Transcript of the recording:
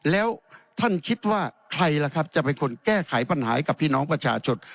แล้วท่านคิดว่าใครล่ะครับจะเป็นคนแก้ไขปัญหาให้กับพี่น้องประชาชน